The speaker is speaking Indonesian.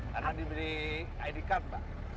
karena diberi id card mbak